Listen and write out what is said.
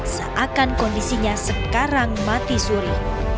seakan kondisinya sekarang mati suri